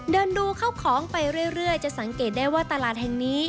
เดินดูเข้าของไปเรื่อยจะสังเกตได้ว่าตลาดแห่งนี้